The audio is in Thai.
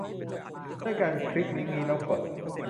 ด้วยการคลิกลิงก์นี้แล้วกด